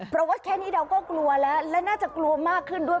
เพราะว่าแค่นี้เราก็กลัวแล้วและน่าจะกลัวมากขึ้นด้วย